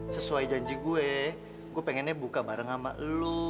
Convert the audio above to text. sesuai janji gue gue pengennya buka bareng sama lo